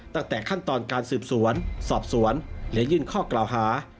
ตั้งแต่ขั้นตอนการสืบสวนสอบสวนและยื่นข้อกล่าวหา